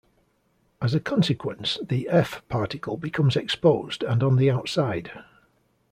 As a consequence, the F particle becomes exposed and on the outside.